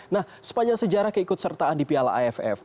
nah sepanjang sejarah keikutsertaan di piala aff